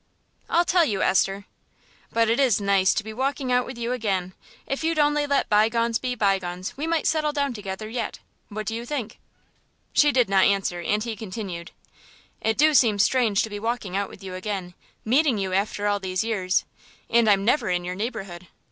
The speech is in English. "I'll tell you, Esther.... But it is nice to be walking out with you again. If you'd only let bygones be bygones we might settle down together yet. What do you think?" She did not answer, and he continued, "It do seem strange to be walking out with you again, meeting you after all these years, and I'm never in your neighbourhood.